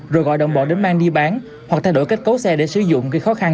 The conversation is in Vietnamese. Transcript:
rồi gọi đồng bộ đến mang đi bán hoặc thay đổi cách cấu xe để sử dụng khi khó khăn